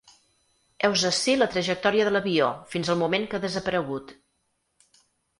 Heus ací la trajectòria de l’avió, fins al moment que ha desaparegut.